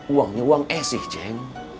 uangnya uang esih jeng